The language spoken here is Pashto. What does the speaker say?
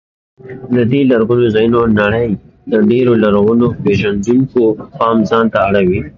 دې لرغونو ځایونو د نړۍ د ډېرو لرغون پېژندونکو پام ځان ته اړولی دی.